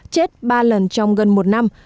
chết ba lần trong gần một năm